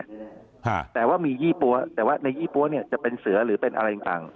อ่าแต่ว่ามียี่ปั๊วแต่ว่าในยี่ปั้วเนี้ยจะเป็นเสือหรือเป็นอะไรต่างต่าง